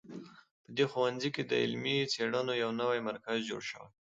په دې ښوونځي کې د علمي څېړنو یو نوی مرکز جوړ شوی